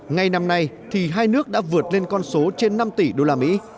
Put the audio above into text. ngay năm nay thì hai nước đã vượt lên con số trên năm tỷ usd